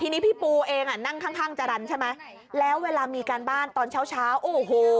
ทีนี้พี่ปูเองนั่งข้างจารันใช่ไหมแล้วเวลามีการบ้านตอนเช้าโอ้โห